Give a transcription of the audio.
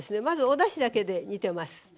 まずおだしだけで煮てます。